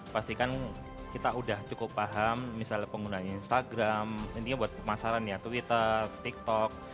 pastikan kita udah cukup paham misalnya penggunanya instagram intinya buat pemasaran ya twitter tiktok